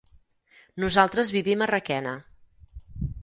Nosaltres vivim a Requena.